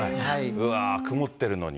うわー、曇ってるのに。